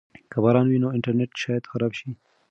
که باران وي نو انټرنیټ شاید خراب شي.